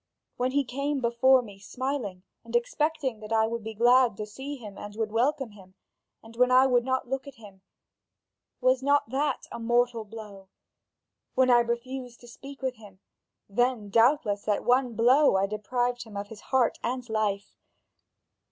When he came before me smiling and expecting that I would be glad to see him and would welcome him, and when I would not look at him, was not that a mortal blow? When I refused to speak with him, then doubtless at one blow I deprived him of his heart and life.